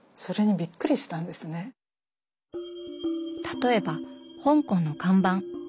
例えば香港の看板。